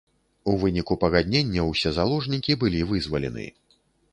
У выніку пагаднення ўсе заложнікі былі вызвалены.